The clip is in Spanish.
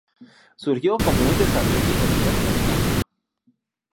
Surgió como un desarrollo del Northrop Gamma.